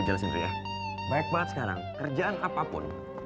terus yang ngajak siapa